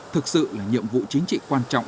thực sự là nhiệm vụ chính trị quan trọng